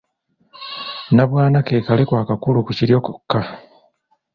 Nnabwana ke kaleku akakula ku kiryo kokka.